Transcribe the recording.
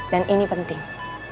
dan ini penting